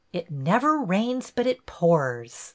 '' It never rains but it pours.